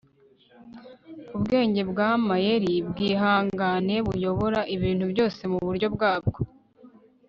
Ubwenge bwamayeri bwihangane buyobora ibintu byose muburyo bwabwo